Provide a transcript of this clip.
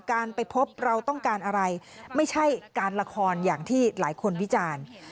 การไปพบเราต้องการอะไรไม่ใช่การละครอย่างที่หลายคนวิจารณ์